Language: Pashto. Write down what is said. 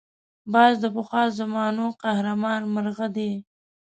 باز د پخوا زمانو قهرمان مرغه دی